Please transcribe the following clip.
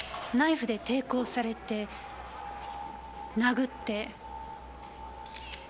ナイフで抵抗されて殴って。